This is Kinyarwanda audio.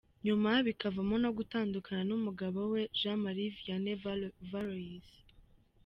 Nyuma bikavamo no gutandukana n’umugabo we Jean Marie Vianney Valois.